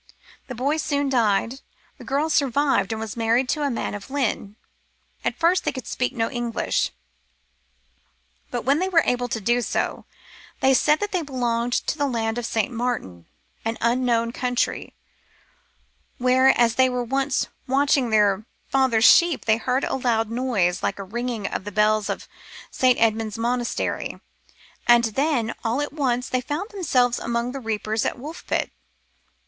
The boy soon died. The girl survived, and was married to a man of Lynn. At first they could speak no English ; but when they were able to do so they said that they belonged to the land of St. Martin, an unknown country, where, as they were once watching their father's sheep, they heard a loud noise, like the ring ing of the bells of St. Edmund's Monastery. And then, all at once, they found themselves among the reapers at Woolpit.